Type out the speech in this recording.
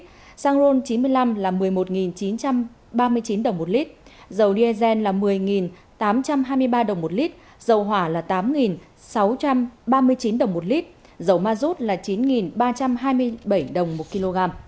giá xăng ron chín mươi năm là một mươi một chín trăm ba mươi chín đồng một lít dầu diesel là một mươi tám trăm hai mươi ba đồng một lít dầu hỏa là tám sáu trăm ba mươi chín đồng một lít dầu ma rút là chín ba trăm hai mươi bảy đồng một kg